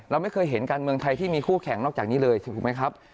เราไม่เคยเห็นการเมืองไทยที่มีคู่แข่งนอกจากนี้เลยถูกไหมครับ